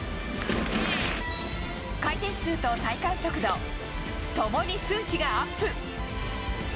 回転数と体感速度、ともに数値がアップ。